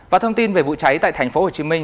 và thông tin về vụ cháy tại tp hcm